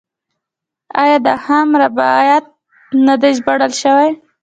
آیا د خیام رباعیات نه دي ژباړل شوي؟